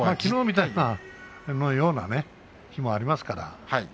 きのうのような日もありますから。